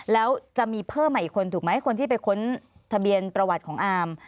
แล้วจะมีเพิ่มใหม่อีกคนถูกไหมคนที่ไปค้นทะเบียนประวัติของอาม